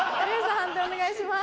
判定お願いします。